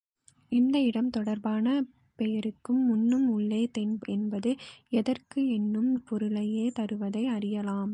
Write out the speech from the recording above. எந்த இடம் தொடர்பான பெயருக்கு முன்னும் உள்ள தென் என்பது தெற்கு என்னும் பொருளையே தருவதை அறியலாம்.